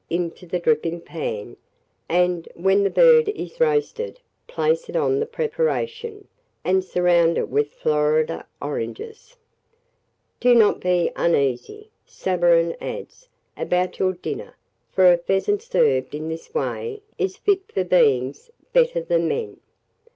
into the dripping pan, and, when the bird is roasted, place it on the preparation, and surround it with Florida oranges. Do not be uneasy, Savarin adds, about your dinner; for a pheasant served in this way is fit for beings better than men.